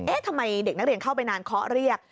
ทำไมเด็กนักเรียนเข้าไปนานเคาะเรียก